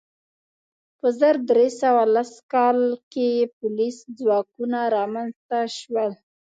په زر درې سوه لس کال کې پولیس ځواکونه رامنځته شول.